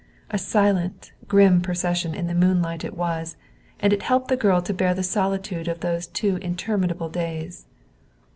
A silent, grim procession in the moonlight it was, and it helped the girl to bear the solitude of those two interminable days.